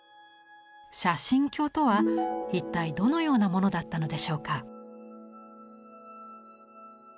写真鏡とは一体どのようなものだったのでしょうか。